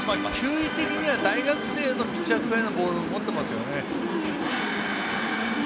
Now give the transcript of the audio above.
球威的には大学生のピッチャーぐらいのボールを持っていますよね。